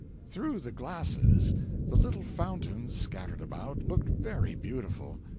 Through the glasses, the little fountains scattered about looked very beautiful.